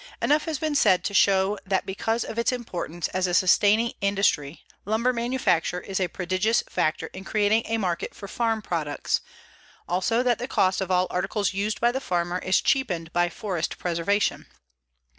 Enough has been said to show that because of its importance as a sustaining industry lumber manufacture is a prodigious factor in creating a market for farm products, also that the cost of all articles used by the farmer is cheapened by forest preservation.